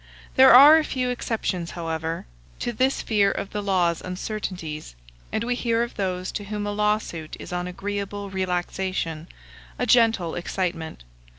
There are a few exceptions, however, to this fear of the law's uncertainties; and we hear of those to whom a lawsuit is on agreeable relaxation, a gentle excitement.